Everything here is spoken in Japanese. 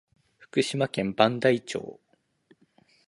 福島県磐梯町